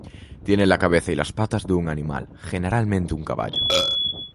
Tiene la cabeza y las patas de un animal, generalmente un caballo.